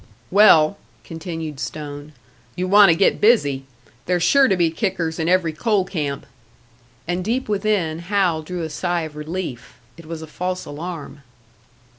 "Well," continued Stone, "you want to get busy; there's sure to be kickers in every coal camp." And deep within, Hal drew a sigh of relief. It was a false alarm!